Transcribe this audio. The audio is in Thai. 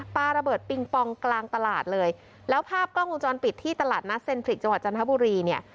ปลาระเบิดปิงปองกลางตลาดเลยแล้วภาพกล้องวงจรปิดที่ตลาดนัดเซ็นทริกจังหวัดจันทบุรีเนี่ย